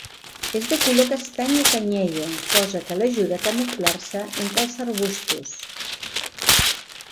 És de color castany i canyella, cosa que l'ajuda a camuflar-se entre els arbustos.